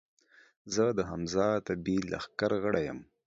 زۀ د حمزه ادبي لښکر غړے یم